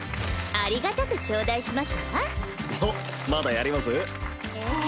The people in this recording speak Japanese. ありがたくちょうだいしますわ。